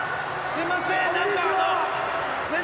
すいませんね